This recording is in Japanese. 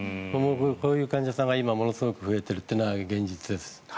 こういう患者さんが今ものすごく増えているというのが現実です。